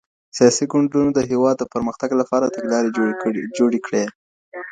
سياسي ګوندونو د هېواد د پرمختګ لپاره تګلاري جوړې کړې.